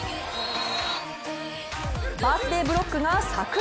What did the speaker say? バースデーブロックがさく裂！